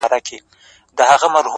نوره سپوږمۍ راپسي مه ږغـوه!!